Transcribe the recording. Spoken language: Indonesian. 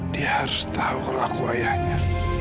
dia harus tahu kalau aku ayahnya